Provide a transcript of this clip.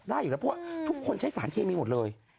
ได้อยู่แล้วเพราะว่าทุกคนใช้สารเคมีหมดเลย